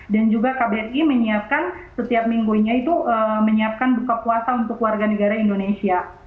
dan juga kbri menyiapkan setiap minggunya itu menyiapkan buka puasa untuk warga negara indonesia